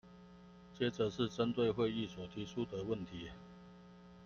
接著是針對會議所提出的問題